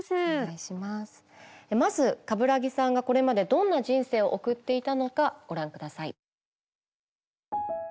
まず冠木さんがこれまでどんな人生を送っていたのかご覧ください。